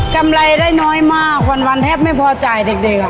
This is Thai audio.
กำไรได้น้อยมากวันวันแทบไม่พอจ่ายเด็กเด็กอ่ะ